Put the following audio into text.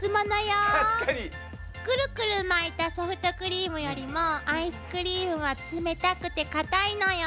クルクル巻いたソフトクリームよりもアイスクリームは冷たくてかたいのよ。